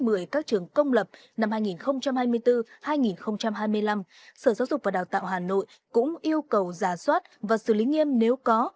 lớp một mươi các trường công lập năm hai nghìn hai mươi bốn hai nghìn hai mươi năm sở giáo dục và đào tạo hà nội cũng yêu cầu giả soát và xử lý nghiêm nếu có